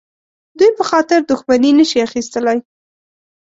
دوی په خاطر دښمني نه شي اخیستلای.